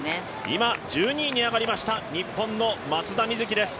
今、１２位に上がりました日本の松田瑞生です。